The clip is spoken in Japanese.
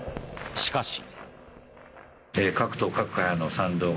しかし。